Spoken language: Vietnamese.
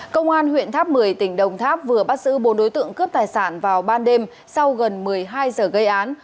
công an huyện tháp một mươi tỉnh đồng tháp vừa bắt giữ bốn đối tượng cướp tài sản vào ban đêm sau gần một mươi hai giờ gây án